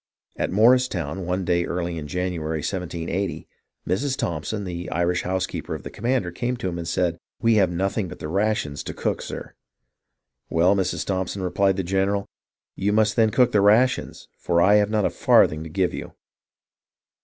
At Morristown, one day early in January, 1780, Mrs. Thompson, the Irish house keeper of the commander, came to him and said, " We have nothing but the rations to cook, sir." "Well, Mrs. Thompson," replied the general, "you must then cook the rations, for I have not a farthing to give you."